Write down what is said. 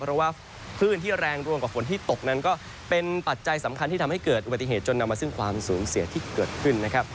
เพราะว่าคลื่นที่แรงรวมกับฝนที่ตกนั้นก็เป็นปัจจัยสำคัญที่ทำให้เกิดอุบัติเหตุจนนำมาซึ่งความสูญเสียที่เกิดขึ้นนะครับ